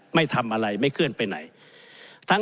ไม่ทำอะไรไม่เคลื่อนไปไหน